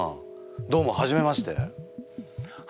どうも初めまして。